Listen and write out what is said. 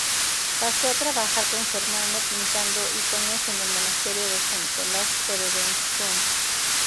Pasó a trabajar con su hermano pintando iconos en el Monasterio de San Nicolás-Terebenskom.